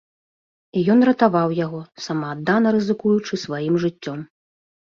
І ён ратаваў яго, самааддана рызыкуючы сваім жыццём.